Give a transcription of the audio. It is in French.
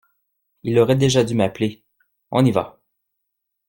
Il aurait déjà dû m’appeler. On y va.